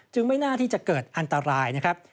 ไม่น่าที่จะเกิดอันตรายนะครับ